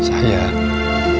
aku mau denger